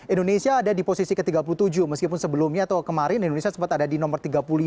indonesia ada di posisi ke tiga puluh tujuh meskipun sebelumnya atau kemarin indonesia sempat ada di nomor tiga puluh lima